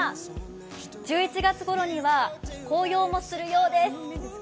１１月ごろには紅葉もするようです。